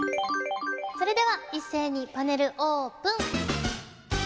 それでは一斉にパネルオープン。